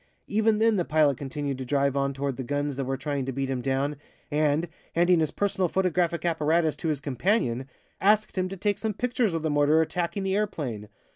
Even then the pilot continued to drive on toward the guns that were trying to beat him down, and, handing his personal photographic apparatus to his companion, asked him to take some pictures of the mortar attacking the airplane.